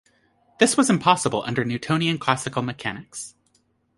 This was impossible under Newtonian classical mechanics.